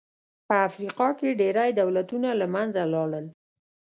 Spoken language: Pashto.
په افریقا کې ډېری دولتونه له منځه لاړل.